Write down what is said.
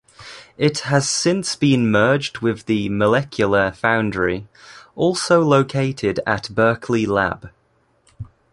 It has since been merged with the Molecular Foundry, also located at Berkeley Lab.